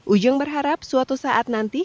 ujung berharap suatu saat nanti